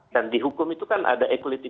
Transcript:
dan di hukum itu kan ada equity